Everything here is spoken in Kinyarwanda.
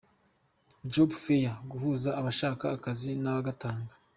Job Fair – Guhuza abashaka akazi n’abagatanga.